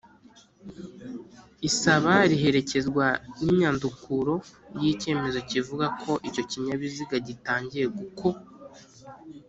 isaba riherekezwa n’inyandukuro y'icyemezo kivuga ko icyo kinyabiziga gitangiye guko